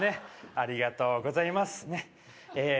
ありがとうございますねっえっ